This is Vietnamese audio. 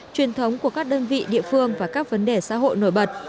truyền thống của các đơn vị địa phương và các vấn đề xã hội nổi bật